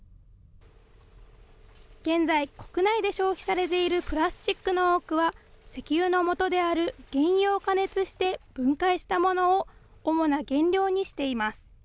現在、国内で消費されているプラスチックの多くは、石油のもとである原油を加熱して分解したものを主な原料にしています。